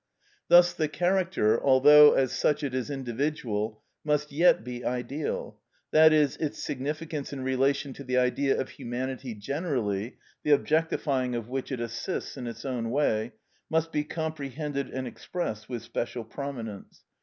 Thus the character, although as such it is individual, must yet be Ideal, that is, its significance in relation to the Idea of humanity generally (the objectifying of which it assists in its own way) must be comprehended and expressed with special prominence.